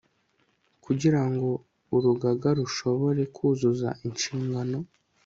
kugira ngo urugaga rushobore kuzuza inshingano